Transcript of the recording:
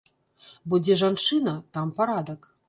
Бо дзе жанчына, там парадак.